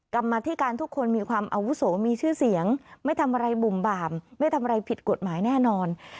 กรรมธิการทุกคนมีความอาวุโสมีชื่อเสียงไม่ทำอะไรบุ่มบามไม่ทำอะไรผิดกฎหมายแน่นอน